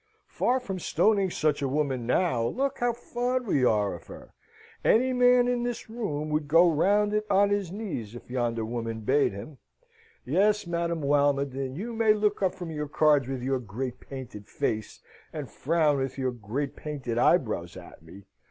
Far from stoning such a woman now, look, how fond we are of her! Any man in this room would go round it on his knees if yonder woman bade him. Yes, Madame Walmoden, you may look up from your cards with your great painted face, and frown with your great painted eyebrows at me.